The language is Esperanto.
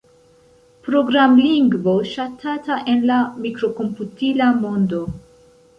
Programlingvo ŝatata en la mikrokomputila mondo.